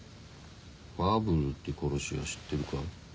ファブルって殺し屋知ってるか？